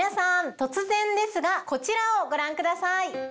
突然ですがこちらをご覧ください。